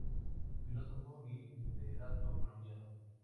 Filósofo y literato Colombiano.